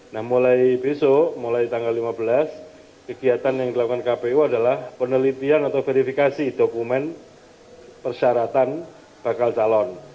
nah mulai besok mulai tanggal lima belas kegiatan yang dilakukan kpu adalah penelitian atau verifikasi dokumen persyaratan bakal calon